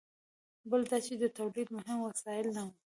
بل دا چې د تولید مهم وسایل نه وو.